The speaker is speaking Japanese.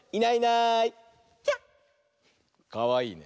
かわいいね。